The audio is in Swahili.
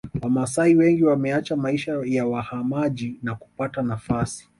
Wamasai wengi wameacha maisha ya wahamaji na kupata nafasi